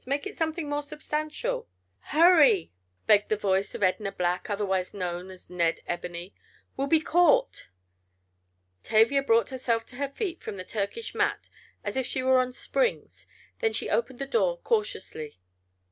Make it something more substantial." "Hurry!" begged the voice of Edna Black, otherwise known as Ned Ebony. "We'll be caught!" Tavia brought herself to her feet from the Turkish mat as if she were on springs. Then she opened the door cautiously.